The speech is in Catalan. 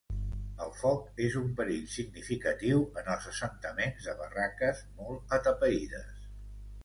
El foc és un perill significatiu en els assentaments de barraques molt atapeïdes.